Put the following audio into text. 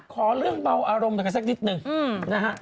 ขอเรื่องเบาอารมณ์แสดงสักนิดหนึ่งนะฮะ